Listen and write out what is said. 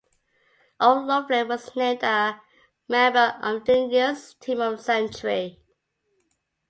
O'Loughlin was named a member of the Indigenous Team of the Century.